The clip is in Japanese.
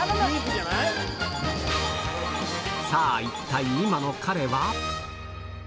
さぁ一体今の彼は？